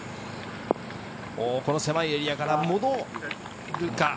狭いエリアから戻るか？